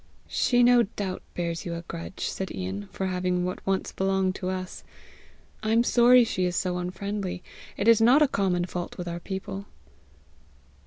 "She no doubt bears you a grudge," said Ian, "for having what once belonged to us. I am sorry she is so unfriendly. It is not a common fault with our people."